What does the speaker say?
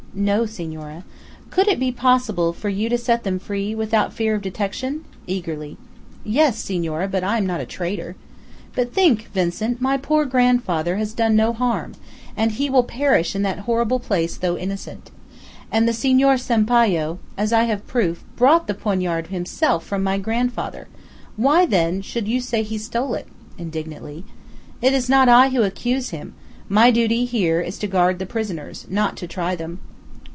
"No, senora." "Could it be possible for you to set them free, without fear of detection?" eagerly. "Yes, senora; but I am not a traitor." "But think, Vincent: my poor grandfather has done no harm, and he will perish in that horrible place, though innocent. And the Senor Sampayo, as I have proof, bought the poignard himself from my grandfather. Why, then, should you say he stole it?" indignantly. "It is not I who accused him; my duty here is to guard the prisoners not to try them."